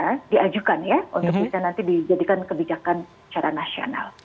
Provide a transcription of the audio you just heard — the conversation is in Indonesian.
untuk bisa nanti dijadikan kebijakan secara nasional